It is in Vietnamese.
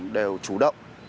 đều chủ động